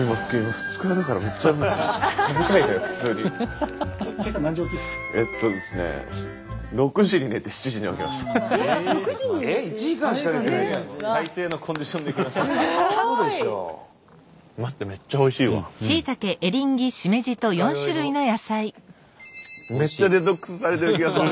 二日酔いのめっちゃデトックスされてる気がする。